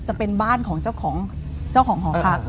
จะเป็นบ้านของเจ้าของหอพัก